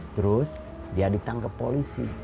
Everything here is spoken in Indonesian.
terus dia ditangkap polisi